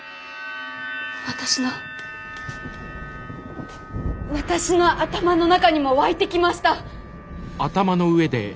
私の私の頭の中にも湧いてきました。